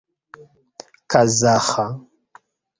kazaĥa